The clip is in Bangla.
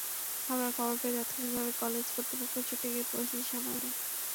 হামলার খবর পেয়ে তাৎক্ষণিকভাবে কলেজ কর্তৃপক্ষ ছুটে গিয়ে পরিস্থিতি সামাল দেয়।